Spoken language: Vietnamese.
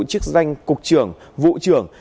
chức danh cục trưởng vụ trưởng